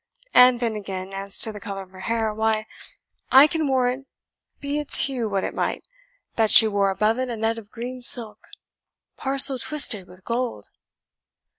And then again, as to the colour of her hair, why, I can warrant, be its hue what it might, that she wore above it a net of green silk, parcel twisted with gold."